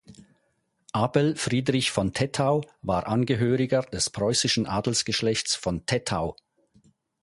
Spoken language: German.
Abel Friedrich von Tettau war Angehöriger des preußischen Adelsgeschlechts von Tettau.